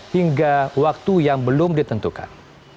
hingga waktu yang belum ditentukan